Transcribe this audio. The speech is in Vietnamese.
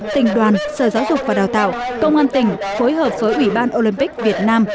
tỉnh đoàn sở giáo dục và đào tạo công an tỉnh phối hợp với ủy ban olympic việt nam